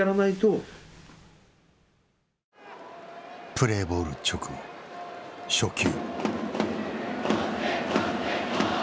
プレーボール直後初球。